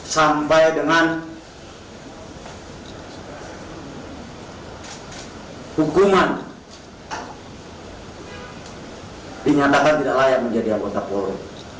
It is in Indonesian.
sampai dengan hukuman dinyatakan tidak layak menjadi anggota polri